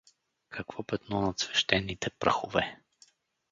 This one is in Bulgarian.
Какво петно над свещените прахове!